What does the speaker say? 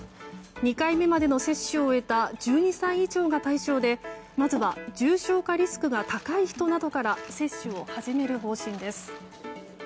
２回目までの接種を終えた１２歳以上が対象でまずは重症化リスクが高い人などから接種を始める方針です。